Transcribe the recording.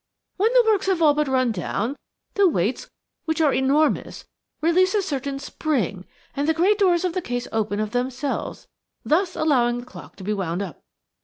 When the works have all but run down, the weights–which are enormous–release a certain spring, and the great doors of the case open of themselves, thus allowing the clock to be wound up.